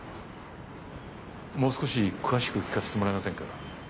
もう少し詳しく聞かせてもらえませんか？